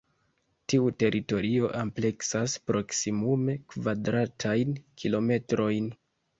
Tiu teritorio ampleksas proksimume kvadratajn kilometrojn.